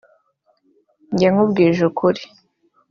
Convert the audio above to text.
“Njye nkubwije ukuri